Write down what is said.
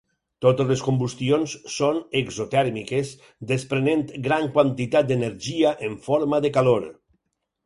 Totes les combustions són exotèrmiques desprenent gran quantitat d'energia en forma de calor.